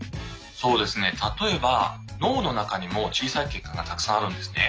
そうですね例えば脳の中にも小さい血管がたくさんあるんですね。